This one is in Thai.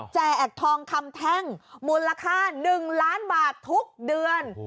แจกทองคำแท่งมูลค่า๑ล้านบาททุกเดือน